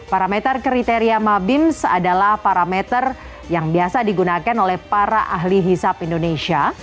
parameter kriteria mabims adalah parameter yang biasa digunakan oleh para ahli hisap indonesia